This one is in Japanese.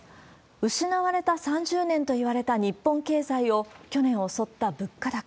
失われた３０年といわれた日本経済を去年襲った物価高。